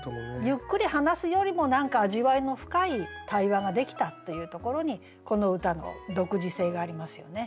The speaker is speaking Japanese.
ゆっくり話すよりも何か味わいの深い対話ができたというところにこの歌の独自性がありますよね。